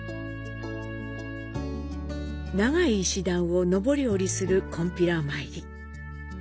長い石段を上り下りするこんぴら参り。